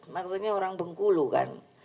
maksudnya orang bengkulu kan